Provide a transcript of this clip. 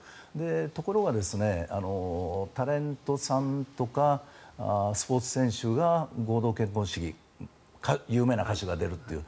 ところがタレントさんとかスポーツ選手が合同結婚式有名な歌手が出るという。